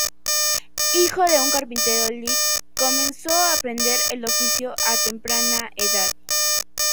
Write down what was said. Hijo de un carpintero, Lick comenzó a aprender el oficio a temprana edad.